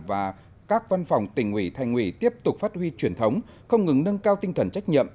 và các văn phòng tỉnh ủy thành ủy tiếp tục phát huy truyền thống không ngừng nâng cao tinh thần trách nhiệm